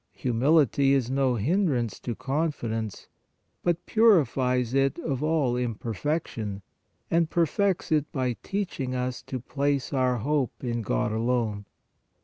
Humility is no hindrance to confidence, but purifies it of all im perfection and perfects it by teaching us to place our hope in God alone.